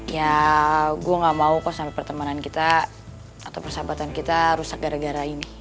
ya gue gak mau kok sampai pertemanan kita atau persahabatan kita rusak gara gara ini